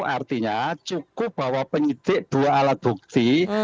artinya cukup bahwa penyidik dua alat bukti